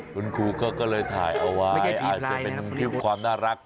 คุณครูก็เลยถ่ายเอาไว้อาจจะเป็นคลิปความน่ารัก